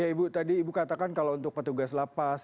ya ibu tadi ibu katakan kalau untuk petugas lapas